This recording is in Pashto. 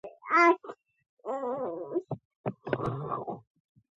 غرمه د خوب شیرین وخت وي